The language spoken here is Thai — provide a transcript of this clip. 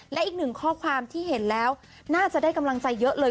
และอีกหนึ่งข้อความที่เห็นแล้วน่าจะได้กำลังใจเยอะเลย